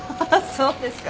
そうですか。